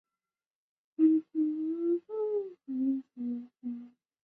但也有主持默哀者读秒计时的例子。